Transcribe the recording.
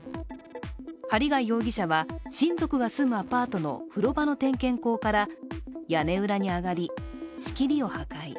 針谷容疑者は親族が住むアパートの風呂場の点検口から屋根裏に上がり、仕切りを破壊。